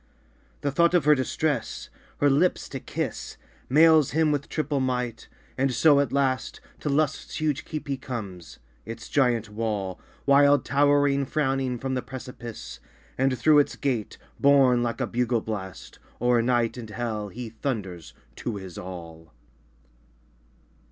The thought of her distress, her lips to kiss, Mails him with triple might; and so at last To Lust's huge keep he comes; its giant wall, Wild towering, frowning from the precipice; And through its gate, borne like a bugle blast, O'er night and hell he thunders to his all.